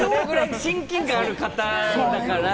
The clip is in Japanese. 親近感のある方だから。